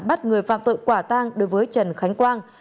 bắt người phạm tội quả tang đối với trần khánh quang